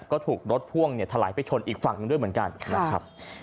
ก็ถูกรถพ่วงเนี่ยถลายไปชนอีกฝั่งหนึ่งด้วยเหมือนกันนะครับ